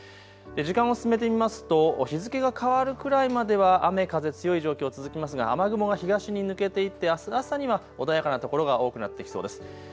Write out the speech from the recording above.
時間を進めてみますと日付が変わるくらいまでは雨風強い状況、続きますが雨雲が東に抜けていってあす朝には穏やかな所が多くなってきそうです。